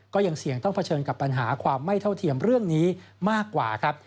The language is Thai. ก็ยังเสี่ยงต้องเผชิญกับปัญหาความไม่เท่าเทียมเรื่องนี้มากกว่าครับ